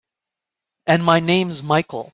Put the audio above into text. And my name's Michael.